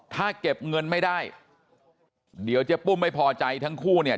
ถ้าเก็บเงินไม่ได้เดี๋ยวเจ๊ปุ้มไม่พอใจทั้งคู่เนี่ย